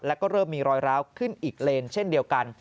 แล้วก็เริ่มมีรอยร้าวขึ้นอีกเลนเช่นเดียวกัน